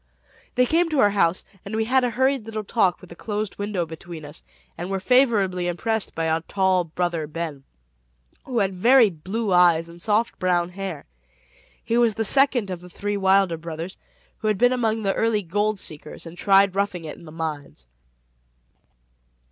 They came to our house, and we had a hurried little talk with a closed window between us, and were favorably impressed by our tall "Brother Ben," who had very blue eyes and soft brown hair. He was the second of the three Wilder brothers, who had been among the early gold seekers, and tried roughing it in the mines.